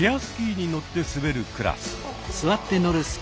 スキーに乗って滑るクラス。